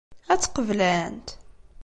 Ad tt-qeblent?